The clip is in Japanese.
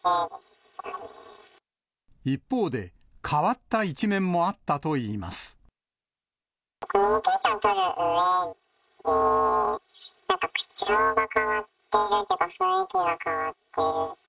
一方で、変わった一面もあっコミュニケーションを取るうえで、なんか口調が変わっているというか、雰囲気が変わっている。